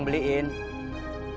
ktp baru ya